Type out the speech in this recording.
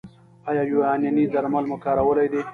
ایا یوناني درمل مو کارولي دي؟